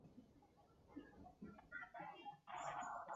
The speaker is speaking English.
All times shown below are China Standard Time.